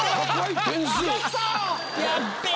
やっべぇ。